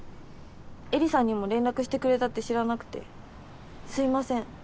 絵里さんにも連絡してくれたって知らなくてすいません。